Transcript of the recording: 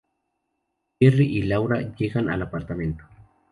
Jerry y Laura llegan al apartamento.